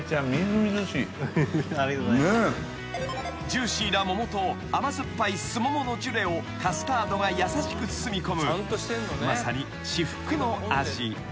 ［ジューシーな桃と甘酸っぱいスモモのジュレをカスタードが優しく包みこむまさに至福の味］